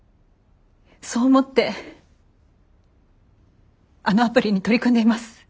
そう思ってあのアプリに取り組んでいます。